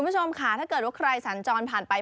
คุณผู้ชมค่ะถ้าเกิดว่าใครสัญจรผ่านไป